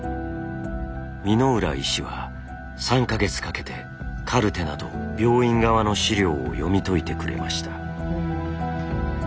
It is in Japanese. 箕浦医師は３か月かけてカルテなど病院側の資料を読み解いてくれました。